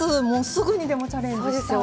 すぐにでもチャレンジしたい。